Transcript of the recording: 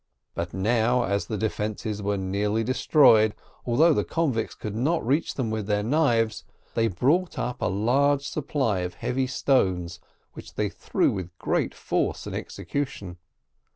But now, as the defences were nearly destroyed, although the convicts could not reach them with their knives, they brought up a large supply of heavy stones, which they threw with great force and execution.